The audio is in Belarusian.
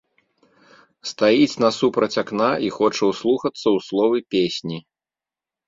Стаіць насупраць акна і хоча ўслухацца ў словы песні.